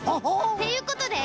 っていうことで。